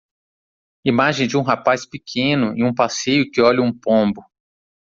Imagem de um rapaz pequeno em um passeio que olha um pombo.